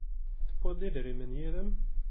Tewwid-d idrimen yid-m?